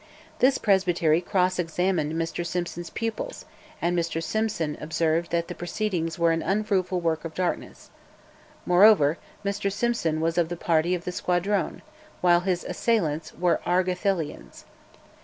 This Presbytery cross examined Mr Simson's pupils, and Mr Simson observed that the proceedings were "an unfruitful work of darkness." Moreover, Mr Simson was of the party of the Squadrone, while his assailants were Argathelians.